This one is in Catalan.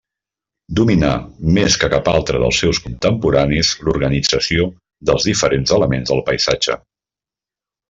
Dominà, més que cap altre dels seus contemporanis, l'organització dels diferents elements del paisatge.